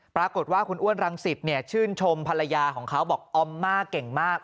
ปรากฏว่าคุณอ้วนรังสิตชื่นชมภรรยาของเขาบอกออมม่าเก่งมาก